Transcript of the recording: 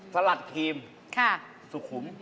สลัดครีมสุขุม